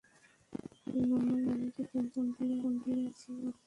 Normal মানেই কি cancer এখন কন্টোলে আছে, মা?